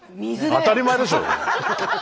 当たり前でしょ！